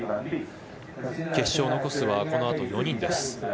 決勝残すはこのあと４人です。